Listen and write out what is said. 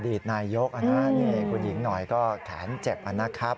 อดีตนายกคุณหญิงหน่อยแข็นเจ็บครับ